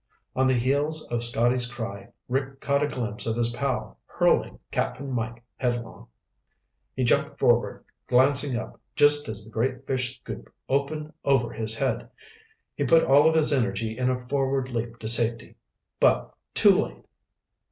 On the heels of Scotty's cry, Rick caught a glimpse of his pal hurling Cap'n Mike headlong. He jumped forward, glancing up, just as the great fish scoop opened over his head. He put all of his energy in a forward leap to safety, but too late!